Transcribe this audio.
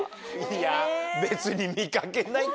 いや別に見掛けない。